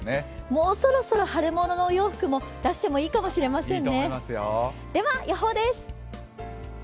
もうそろそろ春物のお洋服も出してもいいかもしれませんね。